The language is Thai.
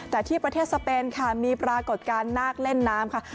แต่ที่ประเทศสเปนค่ะมีปรากฏการณ์นาคเล่นน้ำค่ะ